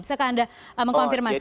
bisakah anda mengonfirmasi